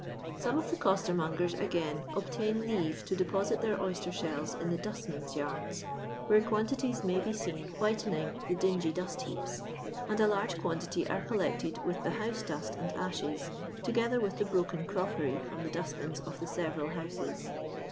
Sonjte of the costermongeAjfliaain, obtain leave to deposit their oyster shelU in the dustmen's yards, where quantities may be seen whitening the dingy dust heaps, and a laive quantity are collected with the house dust and ashes, together with the broken crockery from the dust bins of the several houses.